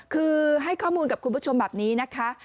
คือให้ข้อมูลกับคุณผู้ชมแบบนี้นะคะ